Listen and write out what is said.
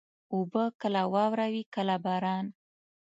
اوبه کله واوره وي، کله باران.